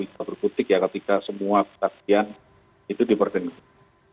tentu tidak berputik ya ketika semua saksian itu diperkenankan